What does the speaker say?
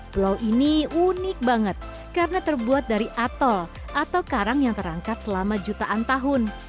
pulau ini unik banget karena terbuat dari atol atau karang yang terangkat selama jutaan tahun